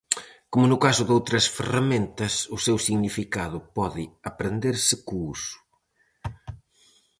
Como no caso doutras ferramentas, o seu significado pode aprenderse co uso.